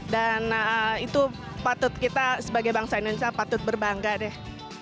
dan itu patut kita sebagai bangsa indonesia patut berbangga deh